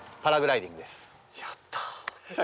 やった。